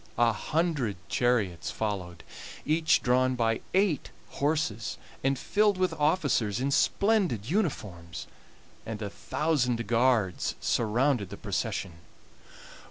A hundred chariots followed, each drawn by eight horses, and filled with officers in splendid uniforms, and a thousand guards surrounded the procession.